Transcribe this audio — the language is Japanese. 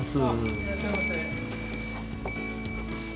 いらっしゃいませ。